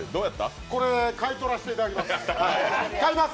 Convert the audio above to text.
これ、買い取らせていただきます、買います。